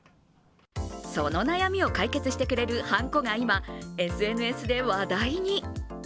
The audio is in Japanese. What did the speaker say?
その悩みを解決してくれるはんこが今、ＳＮＳで話題に。